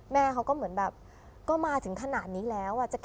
แม่เขาก็เหมือนแบบก็มาถึงขนาดนี้แล้ว